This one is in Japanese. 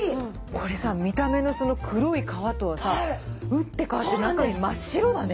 これさ見た目のその黒い皮とはさ打って変わって中身真っ白だね。